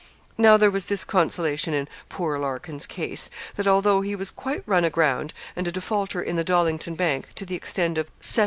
Now, there was this consolation in 'poor Larkin's case,' that although he was quite run aground, and a defaulter in the Dollington Bank to the extent of 7_l_.